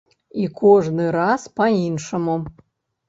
І кожны раз па-іншаму.